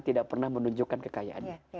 tidak pernah menunjukkan kekayaannya